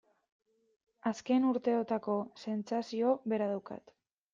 Azken urteotako sentsazio bera daukat.